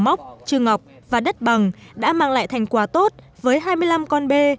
móc trường ngọc và đất bằng đã mang lại thành quả tốt với hai mươi năm con bê